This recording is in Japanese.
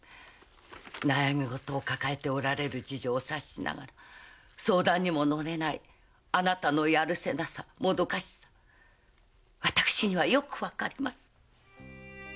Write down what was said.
悩みごとを抱えておられる事情を察しながら相談にも乗れないあなたのやるせなさもどかしさ私にはよくわかります。